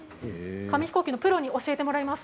紙ヒコーキのプロに教えてもらいます。